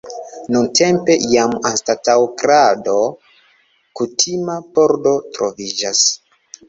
Nuntempe jam anstataŭ krado kutima pordo troviĝas.